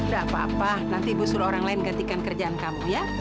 gak apa apa nanti ibu suruh orang lain gantikan kerjaan kamu ya